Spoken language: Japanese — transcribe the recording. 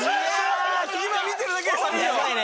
・見てるだけで寒い！